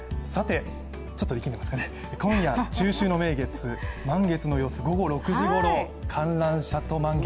今夜中秋の名月、満月の様子午後６時ごろ、観覧車と満月。